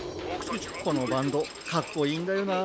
このバンドかっこいいんだよな。